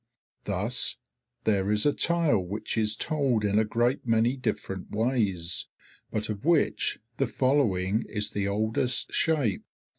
Thus there is a tale which is told in a great many different ways, but of which the following is the oldest shape.